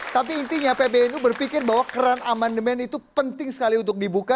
tapi intinya pbnu berpikir bahwa keran amandemen itu penting sekali untuk dibuka